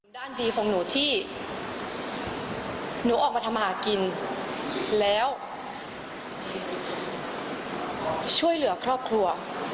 ด้านดีของหนูที่หนูออกมาทำหากินแล้วช่วยเหลือครอบครัว